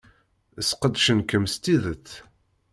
Sqedcen-kem s tidet.